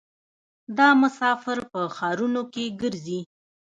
دا مسافر په ښارونو کې ګرځي.